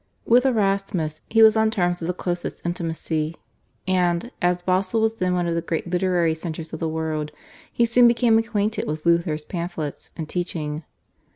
With Erasmus he was on terms of the closest intimacy, and, as Basle was then one of the great literary centres of the world, he soon became acquainted with Luther's pamphlets and teaching.